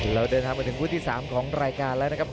เราเดินทางมาถึงคู่ที่๓ของรายการแล้วนะครับ